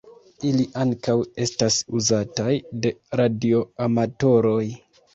Ili ankaŭ estas uzataj de radioamatoroj.